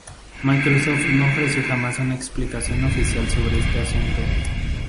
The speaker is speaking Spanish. Microsoft no ofreció jamás una explicación oficial sobre este asunto.